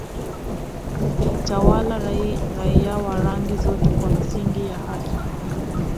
ikitawala raia wa rangi zote kwa misingi ya haki